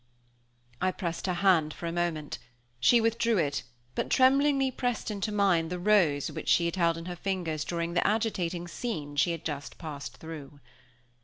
I pressed her hand for a moment. She withdrew it, but tremblingly pressed into mine the rose which she had held in her fingers during the agitating scene she had just passed through.